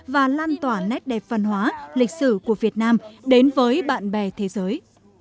và lan tỏa nét đẹp văn hóa lịch sử của việt nam đến với bạn bè thế giới